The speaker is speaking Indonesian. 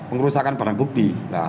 pengurusakan barang bukti